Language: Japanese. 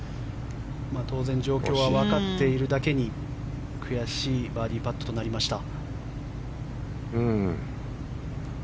当然、状況は分かっているだけに悔しいバーディーパットとなりました。